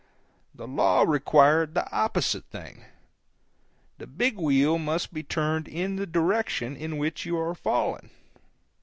The law required the opposite thing—the big wheel must be turned in the direction in which you are falling.